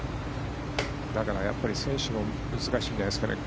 だからやっぱり選手も難しいんじゃないですかね。